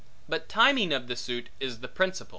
But timing of the suit is the principal.